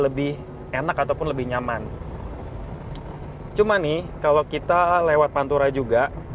lebih enak ataupun lebih nyaman cuma nih kalau kita lewat pantura juga